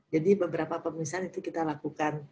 jadi beberapa pemirsaan itu kita lakukan